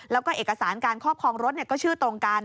แล้วก็เอกสารการครอบครองรถก็ชื่อตรงกัน